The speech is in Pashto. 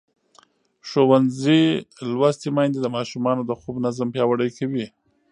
ښوونځې لوستې میندې د ماشومانو د خوب نظم پیاوړی کوي.